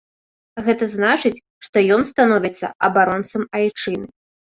Гэта значыць, што ён становіцца абаронцам айчыны.